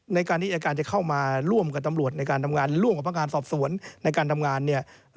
ในการที่อายการจะเข้ามาร่วมกับตำรวจในการทำงานร่วมกับพนักงานสอบสวนในการทำงานเนี่ย